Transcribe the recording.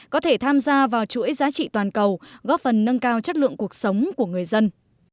có thể tham gia vào chuỗi giá trị toàn cầu góp phần nâng cao chất lượng cuộc sống của người dân